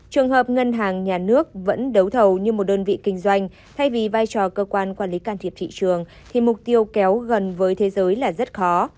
trường hợp ngân hàng nhà nước vẫn đấu thầu như một đơn vị kinh doanh thay vì vai trò cơ quan quản lý can thiệp thị trường thì mục tiêu kéo gần với thế giới là rất khó